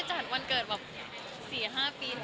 ใช่ค่ะนุ้นไม่ได้จัดวันเกิด๔๕ปีแล้ว